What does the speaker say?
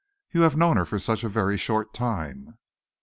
You have known her for such a very short time."